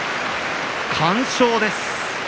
完勝です。